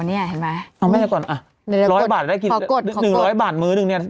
เนี้ยเห็นไหมเอาแม่ก่อนอ่ะร้อยบาทได้กินพอกดพอกดหนึ่งร้อยบาทมื้อนึงเนี้ย